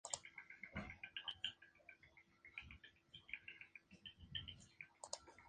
Dalton acompañó a los chicos y se desempeñó como capellán de la nave.